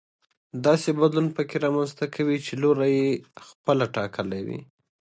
داسې بدلون پکې رامنځته کوي چې لوری يې خپله ټاکلی وي.